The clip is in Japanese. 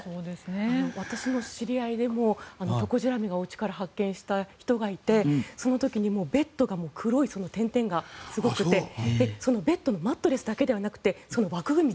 私の知り合いでもトコジラミをおうちから発見した人がいてその時にベッドが黒い点々がすごくてそのベッドのマットレスだけではなくて枠組み